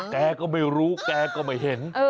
แกก็ไม่รู้แกก็ไม่เห็น